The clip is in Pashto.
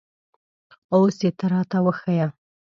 اوس یې ته را ته وښیه